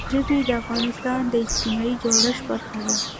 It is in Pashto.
ژبې د افغانستان د اجتماعي جوړښت برخه ده.